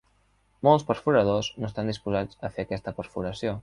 Molts perforadors no estan disposats a fer aquesta perforació.